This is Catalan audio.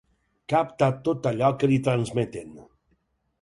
Capta tot allò que li transmeten.